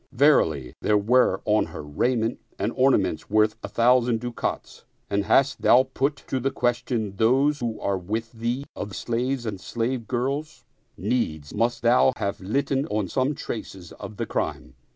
Verily, there were on her raiment and orna ments worth a thousand ducats, and hadst thou put to the question those who are with thee of slaves and slave girls, needs must thou have litten on some traces of the crime.